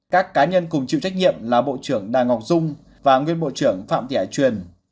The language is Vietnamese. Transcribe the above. các cá nhân cùng chịu trách nhiệm là bộ trưởng đào ngọc dung và nguyên bộ trưởng phạm thị hải truyền